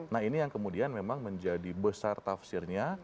nah ini yang kemudian memang menjadi besar tafsirnya